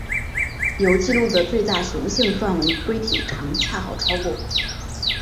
有纪录的最大雌性钻纹龟体长恰好超过。